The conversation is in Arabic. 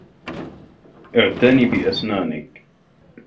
اعتن بأسنانك